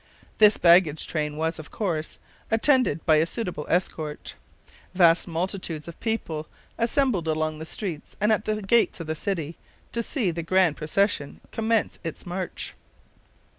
This baggage train was, of course, attended by a suitable escort. Vast multitudes of people assembled along the streets and at the gates of the city to see the grand procession commence its march.